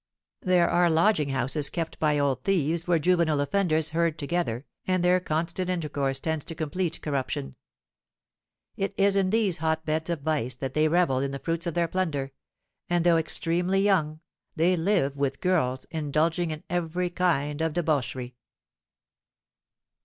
There are lodging houses kept by old thieves where juvenile offenders herd together, and their constant intercourse tends to complete corruption. It is in these hotbeds of vice that they revel in the fruits of their plunder; and though extremely young, they live with girls, indulging in every kind of debauchery."